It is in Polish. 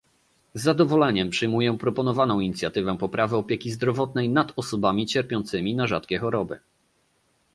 Z zadowoleniem przyjmuję proponowaną inicjatywę poprawy opieki zdrowotnej nad osobami cierpiącymi na rzadkie choroby